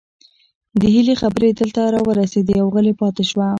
د هيلې خبرې دلته راورسيدې او غلې پاتې شوه